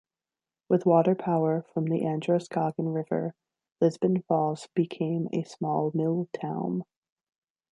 With water power from the Androscoggin River, Lisbon Falls became a small mill town.